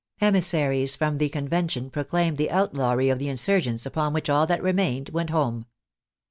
Emis saries from the Convention proclaimed the outlawry of the insurgents, upon which all that remained went home.